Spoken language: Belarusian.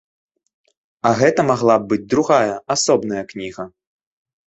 А гэта магла б быць другая, асобная кніга.